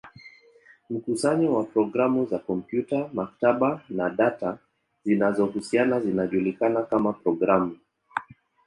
Mkusanyo wa programu za kompyuta, maktaba, na data zinazohusiana zinajulikana kama programu.